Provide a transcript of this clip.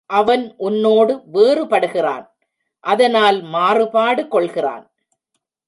அவன் உன்னோடு வேறுபடுகிறான் அதனால் மாறுபாடு கொள்கிறான்.